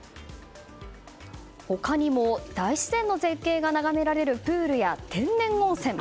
他にも大自然の絶景が眺められるプールや天然温泉。